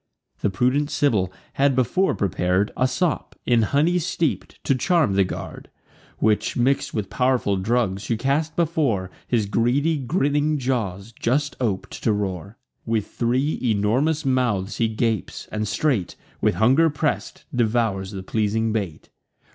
The prudent Sibyl had before prepar'd A sop, in honey steep'd, to charm the guard; Which, mix'd with pow'rful drugs, she cast before His greedy grinning jaws, just op'd to roar. With three enormous mouths he gapes; and straight, With hunger press'd, devours the pleasing bait.